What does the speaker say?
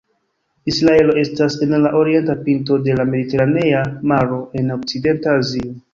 Israelo estas en la orienta pinto de la Mediteranea Maro en Okcidenta Azio.